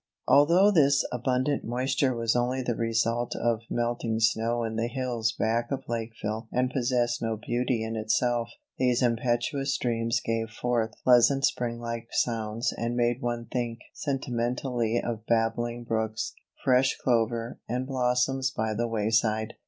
Although this abundant moisture was only the result of melting snow in the hills back of Lakeville and possessed no beauty in itself, these impetuous streams gave forth pleasant springlike sounds and made one think sentimentally of babbling brooks, fresh clover and blossoms by the wayside.